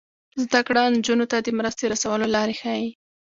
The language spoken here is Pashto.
زده کړه نجونو ته د مرستې رسولو لارې ښيي.